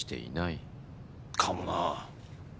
かもな。